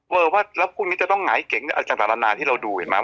เพราะว่าแล้วพวกนี้จะต้องหงายเก๋งจากหลานที่เราดูเห็นไหม